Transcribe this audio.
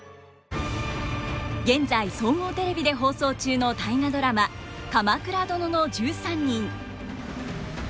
現在総合テレビで放送中の「大河ドラマ鎌倉殿の１３人」。